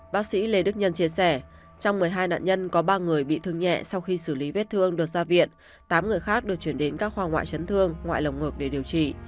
bác sĩ lê đức nhân chia sẻ trong một mươi hai nạn nhân có ba người bị thương nhẹ sau khi xử lý vết thương được ra viện tám người khác được chuyển đến các khoa ngoại chấn thương ngoại lồng ngực để điều trị